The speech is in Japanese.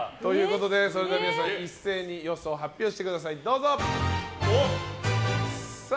皆さん一斉に予想発表してください。